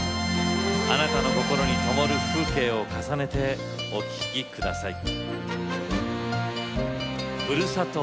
あなたの心にともる風景を重ねて、お聴きください。